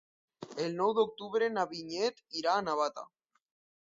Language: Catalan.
El nou d'octubre na Vinyet irà a Navata.